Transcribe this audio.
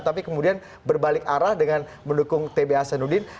tapi kemudian berbalik arah dengan mendukung tba senudin